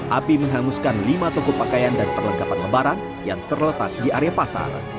api menghanguskan lima toko pakaian dan perlengkapan lebaran yang terletak di area pasar